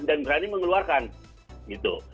dan berani mengeluarkan gitu